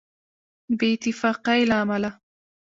بې اتفاقۍ له امله.